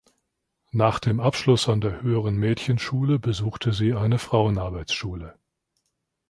Nach dem Abschluss an der höheren Mädchenschule besuchte sie eine Frauenarbeitsschule.